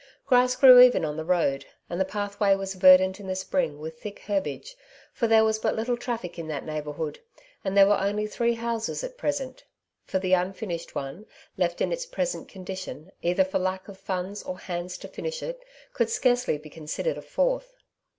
Grass grew even on the road, and the pathway was verdant in the spring with thick herbage, for there was but little traffic in that neighbourhood, and there were only three houses at present— for the unfinished one, left in its present condition either for lack of funds or hands to finish it, could scarcely be considered a fourth.